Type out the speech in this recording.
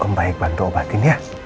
kau baik bantu obatin ya